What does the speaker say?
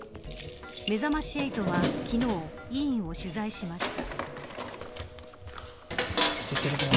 めざまし８は昨日、医院を取材しました。